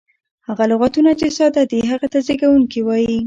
هغه لغتونه، چي ساده دي هغه ته زېږوونکی وایي.